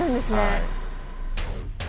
はい。